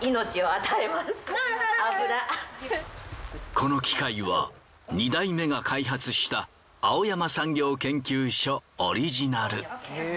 この機械は二代目が開発した青山産業研究所オリジナル。